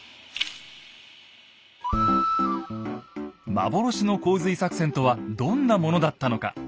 幻の洪水作戦とはどんなものだったのか。